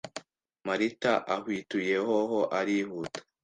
Marita ahwituye hoho arihuta